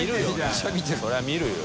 そりゃ見るよ。